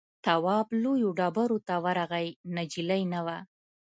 تواب لویو ډبرو ته ورغی نجلۍ نه وه.